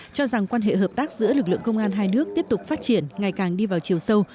cho rằng quan hệ hợp tác giữa lực lượng công an hai nước tiếp tục phát triển ngày càng đi vào chiều sâu